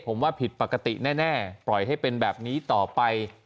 ผมว่าผิดปกติแน่ปล่อยให้เป็นแบบนี้ต่อไป